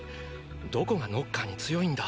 どこがノッカーに強いんだ？